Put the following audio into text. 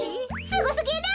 すごすぎる！